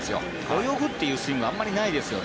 泳ぐっていうスイングはあまりないですよね。